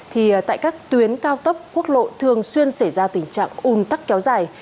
thì tại các tuyến cao tốc quốc lộ thường xuyên xảy ra tình trạng ùn tắc kéo dài